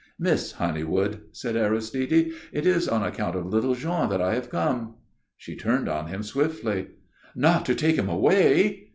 "Miss Honeywood," said Aristide. "It is on account of little Jean that I have come " She turned on him swiftly. "Not to take him away!"